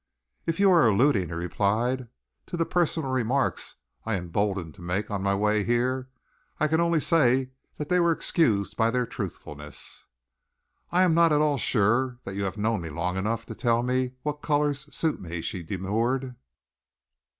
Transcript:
"If you are alluding," he replied, "to the personal remarks I was emboldened to make on my way here, I can only say that they were excused by their truthfulness." "I am not at all sure that you have known me long enough to tell me what colours suit me," she demurred.